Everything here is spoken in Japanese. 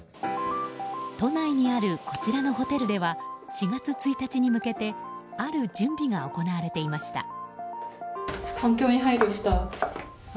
都内にあるこちらのホテルでは４月１日に向けてある準備が行われていました。